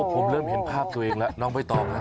ผมเริ่มเห็นภาพตัวเองละน้องไปต่อมา